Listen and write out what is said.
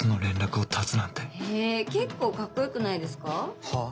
結構かっこよくないはあ？